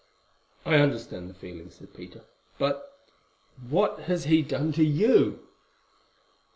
"I understand the feeling," said Peter. "But—but what has he done to you?"